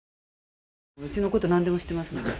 うちのことなんでも知ってますので。